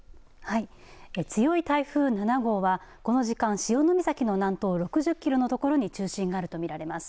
強い台風７号は、この時間潮岬の南東６０キロのところに中心があると見られます。